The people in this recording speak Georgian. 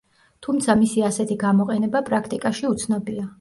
თუმცა მისი ასეთი გამოყენება პრაქტიკაში უცნობია.